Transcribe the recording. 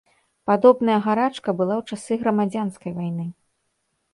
Падобная гарачка была ў часы грамадзянскай вайны.